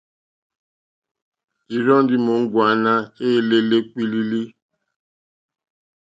Ìrzɔ́ ndí móŋɡòáná éělélé kpílílílí.